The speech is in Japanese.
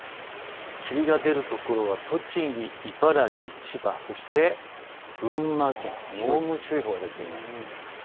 霧が出るところは栃木、茨城、千葉、そして群馬県、濃霧注意報が出ています。